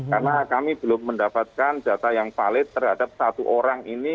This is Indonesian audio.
karena kami belum mendapatkan data yang valid terhadap satu orang ini